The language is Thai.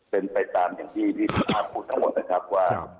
เป็นไปตามอย่างที่พี่สุภาพพูดทั้งหมดนะครับว่า